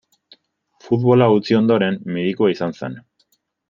Futbola utzi ondoren, medikua izan zen.